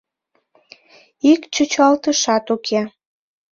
— Ик чӱчалтышат уке.